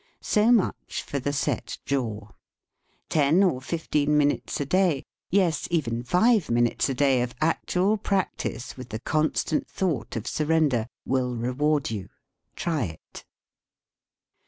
So much for the set jaw. Ten or fifteen minutes a day yes, even five minutes a day of actual practice with the constant thought of surrender, will reward you. Try it.